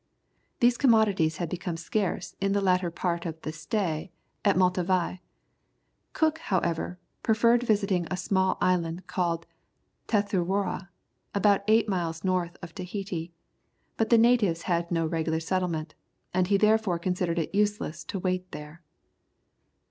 These commodities had become scarce in the latter part of the stay at Matavai. Cook, however, preferred visiting a small island called Tethuroa, about eight miles north of Tahiti, but the natives had no regular settlement, and he therefore considered it useless to wait there.